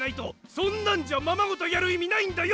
そんなんじゃままごとやるいみないんだよ！